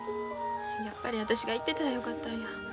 やっぱり私が行ってたらよかったんや。